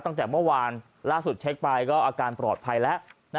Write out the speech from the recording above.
ตั้งแต่เมื่อวานล่าสุดเช็คไปก็อาการปลอดภัยแล้ว